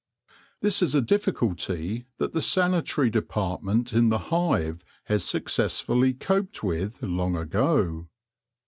This is a difficulty that the sanitary department in the hive has successfully coped with long ago.